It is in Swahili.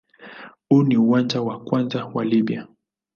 Huu ni uwanja wa kwanza wa Libya.